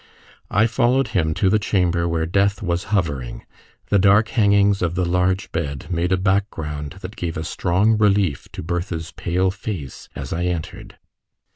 I followed him to the chamber where death was hovering. The dark hangings of the large bed made a background that gave a strong relief to Bertha's pale face as I entered.